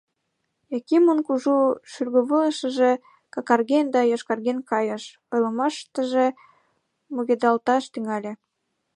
Якимын кужу шӱргывылышыже какарген да йошкарген кайыш, ойлымаштыже мугедалташ тӱҥале.